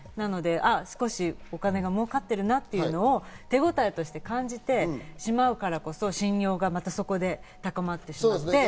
少しお金が儲かってるなっていうのを手応えとして感じてしまうからこそ、信用が高まってしまって。